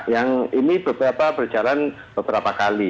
yang ini beberapa berjalan beberapa kali